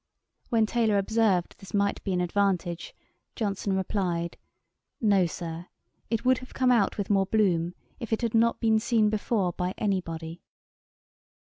When Taylor observed this might be an advantage, Johnson replied, 'No, Sir; it would have come out with more bloom, if it had not been seen before by any body.'